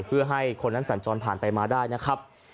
เพื่อให้คนนั้นสัญจรผ่านไปมาได้นะครับ